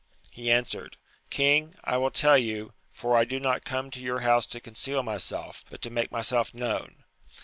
He answered, King, I will tell you, for I do not come to your house to conceal myself, but to make myself known.